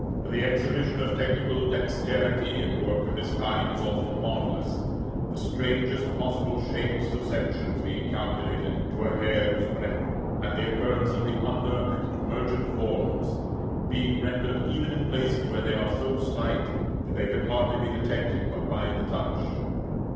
The exhibition of technical dexterity in work of this kind is often marvellous, the strangest possible shapes of sections being calculated to a hair's breadth, and the occurrence of the under and emergent forms being rendered, even in places where they are so slight that they can hardly be detected but by the touch.